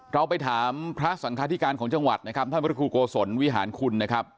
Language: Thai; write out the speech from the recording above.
เราไปถามพระสังคาธิการของจังหวัดนะครับท่านพระครูโกศลวิหารคุณนะครับ